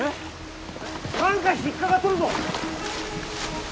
なんか引っかかっとるぞ。